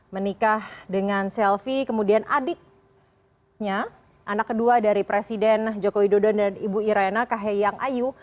menikah dengan selvi kemudian adiknya anak kedua dari presiden joko widodo dan ibu irena kaheyang ayu